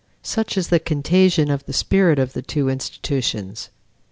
Such is the contagion of the spirit of the two institutions.